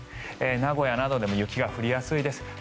名古屋などでも雪が降りやすいです。